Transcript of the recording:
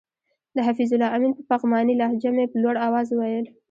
د حفیظ الله آمین په پغمانۍ لهجه مې په لوړ اواز وویل.